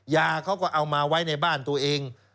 ยาเขาก็เอามาไว้ในบ้านตัวเอง